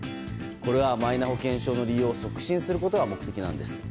これはマイナ保険証の利用を促進することが目的なんです。